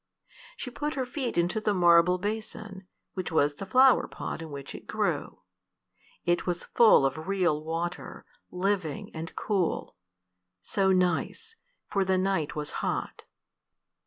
She put her feet into the marble basin, which was the flower pot in which it grew. It was full of real water, living and cool so nice, for the night was hot.